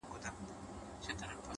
• کمالونه چي د هري مرغۍ ډیر وي ,